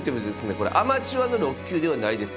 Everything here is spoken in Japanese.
これアマチュアの６級ではないです。